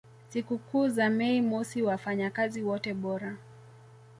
sikukuu za Mei mosi wafanyakazi wote bora